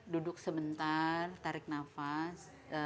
duduk sebentar tarik nafas